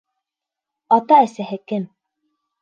Ата-әсәһе кем?